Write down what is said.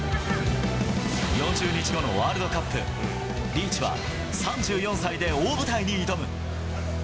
４０日後のワールドカップ、リーチは３４歳で大舞台に挑む。